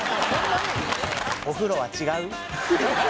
「お風呂は違う？」。